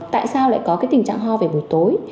tại sao lại có cái tình trạng ho về buổi tối